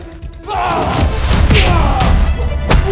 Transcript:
kalian gak akan nyesel